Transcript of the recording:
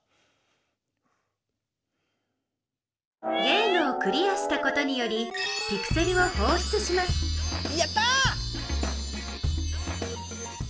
ゲームをクリアしたことによりピクセルをほうしゅつしますやったぁ！